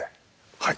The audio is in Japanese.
「はい。